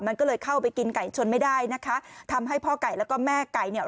มันก็เลยเข้าไปกินไก่ชนไม่ได้นะคะทำให้พ่อไก่แล้วก็แม่ไก่เนี่ย